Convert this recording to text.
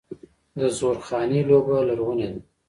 د زورخانې لوبه لرغونې ده.